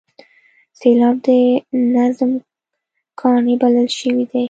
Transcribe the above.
سېلاب د نظم کاڼی بلل شوی دی.